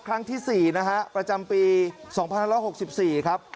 ครั้งที่สี่นะฮะประจำปีสองพันร้อยหกสิบสี่ครับ